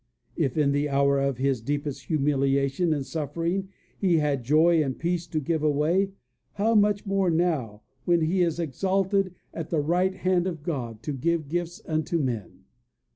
If in the hour of his deepest humiliation and suffering he had joy and peace to give away, how much more now, when he is exalted at the right hand of God, to give gifts unto men!